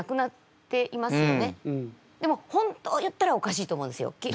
でも本当言ったらおかしいと思うんですよ。